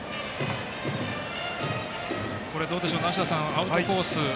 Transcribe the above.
アウトコース